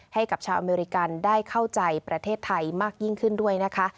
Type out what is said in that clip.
ให้กับชาวอเมริกันได้เข้าใจประเทศไทยมากยิ่งขึ้นด้วยนะคะ